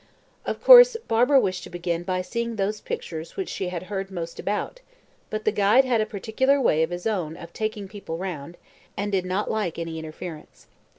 Of course, Barbara wished to begin by seeing those pictures which she had heard most about; but the guide had a particular way of his own of taking people round, and did not like any interference.